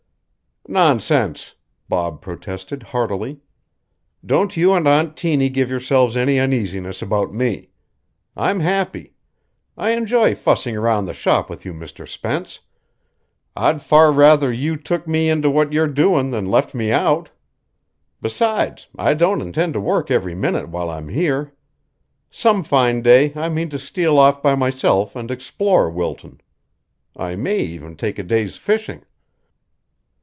"Nonsense!" Bob protested heartily. "Don't you and Aunt Tiny give yourselves any uneasiness about me. I'm happy. I enjoy fussing round the shop with you, Mr. Spence. I'd far rather you took me into what you're doing than left me out. Besides, I don't intend to work every minute while I'm here. Some fine day I mean to steal off by myself and explore Wilton. I may even take a day's fishing."